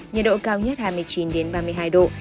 nhiệt độ cao nhất hai mươi chín ba mươi hai độ